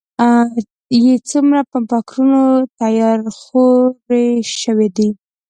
يې څومره په فکرونو تيارې خورې شوي دي.